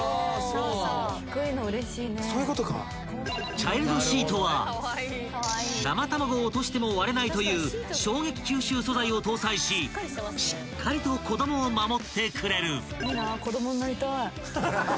［チャイルドシートは生卵を落としても割れないという衝撃吸収素材を搭載ししっかりと子供を守ってくれる］